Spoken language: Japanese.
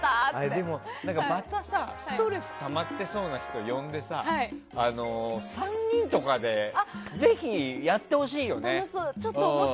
また、ストレスたまってそうな人呼んでさ３人とかでぜひ、やってほしいよね。